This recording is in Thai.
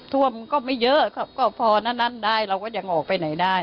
ท่วมก็ไม่เยอะครับก็พอนั่นได้เราก็ยังออกไปไหนได้